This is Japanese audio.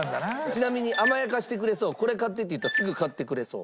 ちなみに甘やかしてくれそう「これ買って」って言ったらすぐ買ってくれそう。